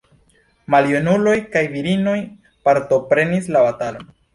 Maljunuloj kaj virinoj partoprenis la batalon.